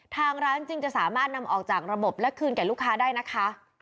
ทางร้านจริงจะสามารถนำออกจากระบบและคืนแก่ลูกค้าได้นะคะ